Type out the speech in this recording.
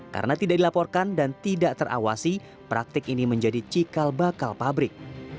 karena tidak dilaporkan dan tidak terawasi praktik ini menjadi cikal bakal pabrik